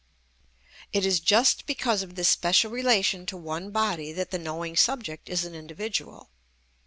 It is just because of this special relation to one body that the knowing subject is an individual.